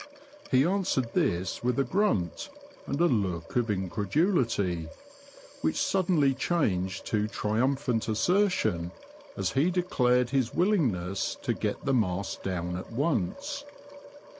He answered this with a grnnt and a look of increduUty, which suddenly changed to triumphant assertion as he declared his willingness to get the mast down at once.